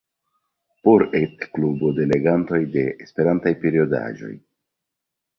Por etklubo de legantoj de esperantaj periodaĵoj.